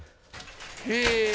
へえ。